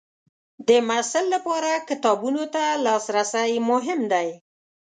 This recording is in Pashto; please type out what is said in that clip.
د محصل لپاره کتابونو ته لاسرسی مهم دی.